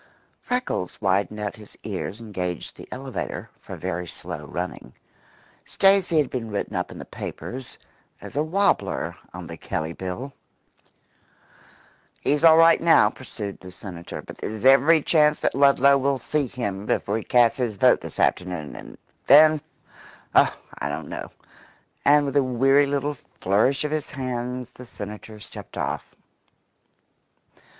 Freckles widened out his ears and gauged the elevator for very slow running. Stacy had been written up in the papers as a wabbler on the Kelley Bill. "He's all right now," pursued the Senator, "but there's every chance that Ludlow will see him before he casts his vote this afternoon, and then oh, I don't know!" and with a weary little flourish of his hands the Senator stepped off.